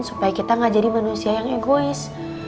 supaya kita gak jadi manusia yang egois